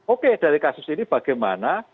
oke dari kasus ini bagaimana